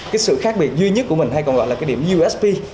cái sự khác biệt duy nhất của mình hay còn gọi là cái điểm usp